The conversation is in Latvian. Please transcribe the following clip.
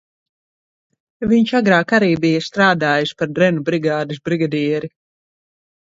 Viņš agrāk arī bija strādājis par drenu brigādes brigadieri.